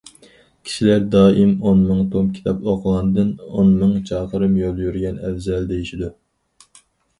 كىشىلەر دائىم ئون مىڭ توم كىتاب ئوقۇغاندىن ئون مىڭ چاقىرىم يول يۈرگەن ئەۋزەل دېيىشىدۇ.